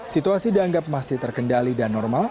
situasi dianggap masih terkendali dan normal